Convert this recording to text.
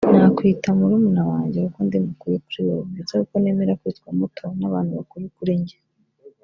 nakwita murumuna wanjye kuko ndi mukuru kuri wowe ndetse kuko nemera kwitwa muto n’abantu bakuru kuri njye